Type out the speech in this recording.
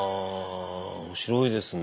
面白いですね。